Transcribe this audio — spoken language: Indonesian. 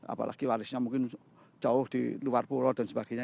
apalagi warisnya mungkin jauh di luar pulau dan sebagainya